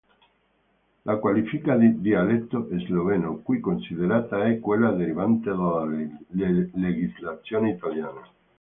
La qualifica di "dialetto sloveno" qui considerata è quella derivante dalla legislazione italiana.